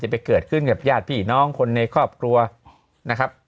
ไปเกิดขึ้นกับญาติพี่น้องคนในครอบครัวนะครับ